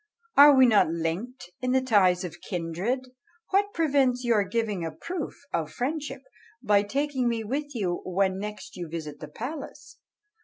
are we not linked in the ties of kindred? What prevents your giving a proof of friendship, by taking me with you when next you visit the palace?